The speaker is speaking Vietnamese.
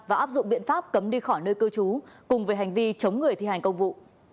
và áp dụng biện pháp cấm đi khỏi nơi cư trú cùng với hành vi chống người thi hành công vụ